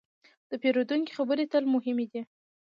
د پیرودونکي خبرې تل مهمې دي.